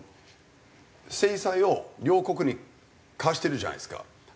制裁を両国に科してるじゃないですか。